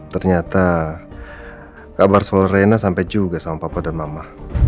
ternyata kabar solorena sampai juga sama papa dan mama